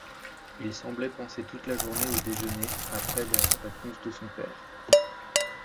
Il semblait penser toute la journée au déjeuner après la réponse de son père.